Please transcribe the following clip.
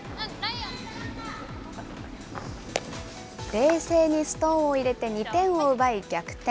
冷静にストーンを入れて２点を奪い、逆転。